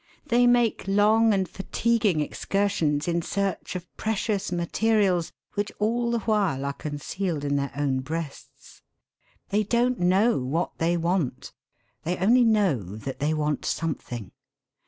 They make long and fatiguing excursions in search of precious materials which all the while are concealed in their own breasts. They don't know what they want; they only know that they want something.